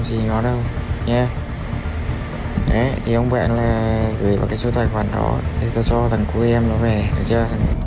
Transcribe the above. gì đâu nha thế thì ông bạn là gửi vào cái số tài khoản đó thì tôi cho thằng của em nó về rồi chưa